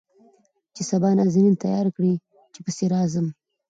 چې سبا نازنين تيار کړي چې پسې راځم.